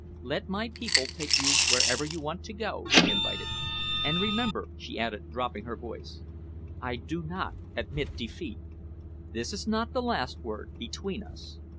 "Let my people take you wherever you want to go," she invited, "and remember," she added, dropping her voice, "I do not admit defeat. This is not the last word between us."